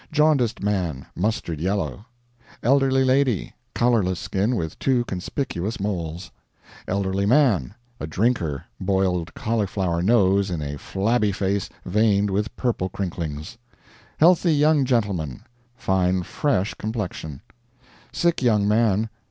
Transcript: Jaundiced man mustard yellow. Elderly lady. Colorless skin, with two conspicuous moles. Elderly man a drinker. Boiled cauliflower nose in a flabby face veined with purple crinklings. Healthy young gentleman. Fine fresh complexion. Sick young man.